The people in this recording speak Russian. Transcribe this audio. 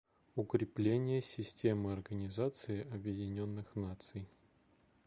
Укрепление системы Организации Объединенных Наций.